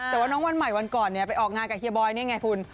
แต่ว่าน้องวันใหม่วันก่อนเนี่ยไปออกงานกับเฮียบอยนี่ไงคุณ